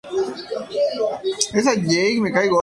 Por detrás de la escalera se accede a un huerto-jardín posterior.